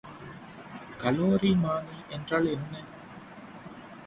கலோரிமானி என்றால் என்ன?